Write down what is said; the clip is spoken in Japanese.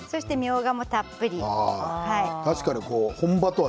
みょうがたっぷり。